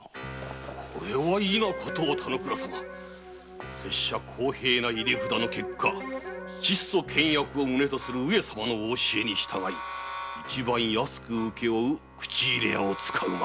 これは異な事を拙者公平な入れ札の結果質素倹約を旨とする上様のお教えに従い一番安く請け負う口入れ屋を使うまで。